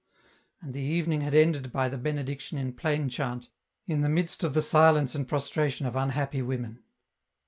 And the evening had ended by the Benediction in plain chant, in the midst of the silence and prostration of unhappy women.